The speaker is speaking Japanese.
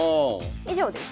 以上です。